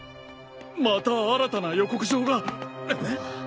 また新たな予告状が。